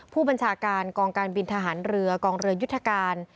ผู้บัญชาการกองการบินทหารเรือกองเรือยุทธการ